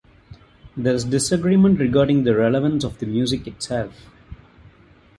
There is disagreement regarding the relevance of the music itself.